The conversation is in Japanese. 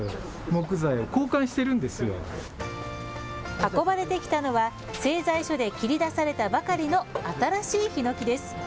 運ばれてきたのは製材所で切り出されたばかりの新しいひのきです。